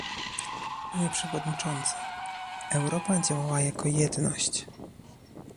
Panie przewodniczący! "Europa działała jako jedność"